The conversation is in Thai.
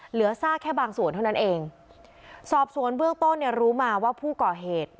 ซากแค่บางส่วนเท่านั้นเองสอบสวนเบื้องต้นเนี่ยรู้มาว่าผู้ก่อเหตุ